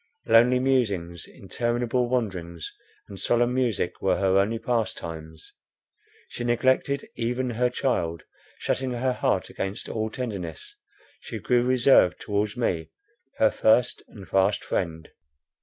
Lonely musings, interminable wanderings, and solemn music were her only pastimes. She neglected even her child; shutting her heart against all tenderness, she grew reserved towards me, her first and fast friend.